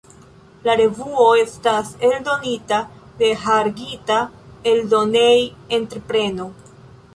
La revuo estas eldonita de Hargita Eldonej-entrepreno.